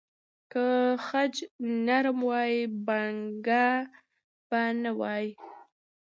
که خج نرم وای، بڼکه به نه وای.